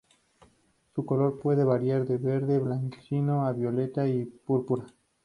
Su color puede variar de verde blanquecino, a violeta y púrpura.